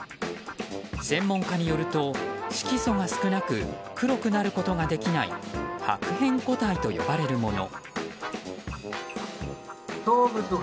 専門家によると色素が少なく黒くなることができない白変個体と呼ばれるもの。